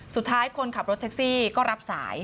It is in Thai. สุดท้ายคนขับรถแท็กซี่ก็รับสาย